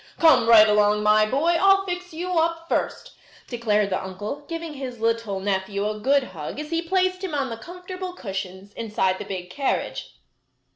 "Come right along, my boy. I'll fix you up first," declared the uncle, giving his little nephew a good hug as he placed him on the comfortable cushions inside the big carriage.